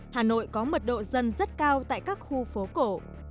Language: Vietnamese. hà nội có mật độ dân rất cao tại các khu phố cổ